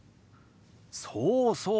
そうそう。